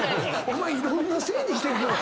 お前いろんなせいにしてるけど。